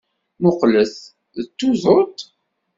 Mmuqqlet! D tuḍut!